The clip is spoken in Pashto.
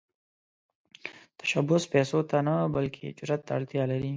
تشبث پيسو ته نه، بلکې جرئت ته اړتیا لري.